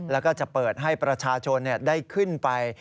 แล้วก็จะเปิดให้ประชาชนได้ขึ้นไป